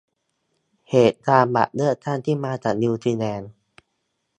เหตุการณ์บัตรเลือกตั้งที่มาจากนิวซีแลนต์